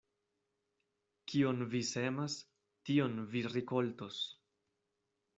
Kion vi semas, tion vi rikoltos.